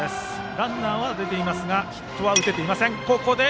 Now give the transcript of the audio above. ランナーは出ていますがヒットは打てていません。